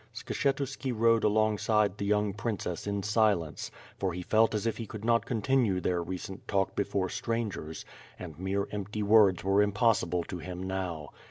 Skshetuski rode alongside the young princess in silence; for he felt as if he could not" con tinue their recent talk before strangers; and mere empty words were impossible to him now.